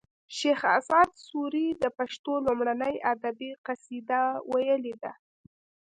شیخ اسعد سوري د پښتو لومړنۍ ادبي قصیده ویلې ده